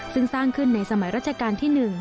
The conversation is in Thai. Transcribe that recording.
ซึ่งสร้างขึ้นในสมัยราชการที่๑